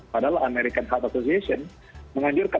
padahal american heart association menganjurkan